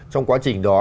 trong quá trình đó